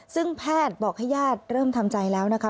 ซึ่งแพทย์บอกให้ญาติเริ่มทำใจแล้วนะคะ